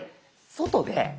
外で。